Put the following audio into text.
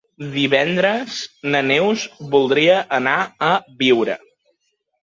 Divendres na Neus voldria anar a Biure.